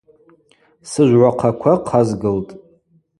Сыжвгӏвахъаква хъазгылтӏ.